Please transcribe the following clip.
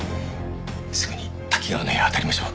すぐに瀧川の部屋を当たりましょう。